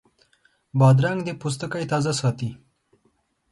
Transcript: بادرنګ د پوستکي تازه ساتي.